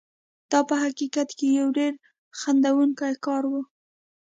دا په حقیقت کې یو ډېر خندوونکی کار و.